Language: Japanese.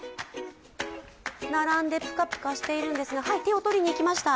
並んでプカプカしているんですがはい、手を取りにいきました。